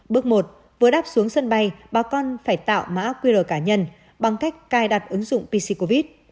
bước một vừa đắp xuống sân bay bà con phải tạo mã quy đồ cá nhân bằng cách cài đặt ứng dụng pc covid